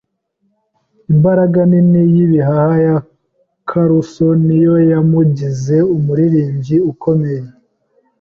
Imbaraga nini y'ibihaha ya Caruso niyo yamugize umuririmbyi ukomeye.